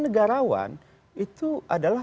negarawan itu adalah